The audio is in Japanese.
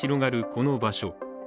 この場所。